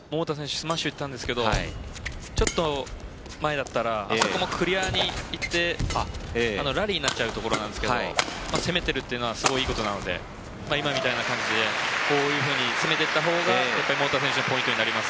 スマッシュを打ったんですがちょっと前だったらここもクリアにいってラリーになっちゃうところなんですが攻めているというのはいいことなので今みたいな感じでこういうふうに攻めていったほうが桃田選手のポイントになります。